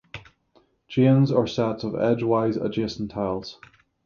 Chains are sets of edge-wise adjacent tiles.